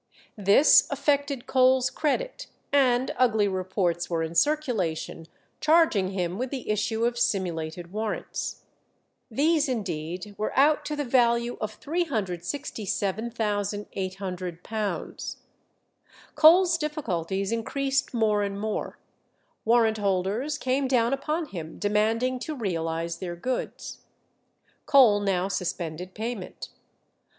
This affected Cole's credit, and ugly reports were in circulation charging him with the issue of simulated warrants. These indeed were out to the value of £367,800. Cole's difficulties increased more and more; warrant holders came down upon him demanding to realize their goods. Cole now suspended payment.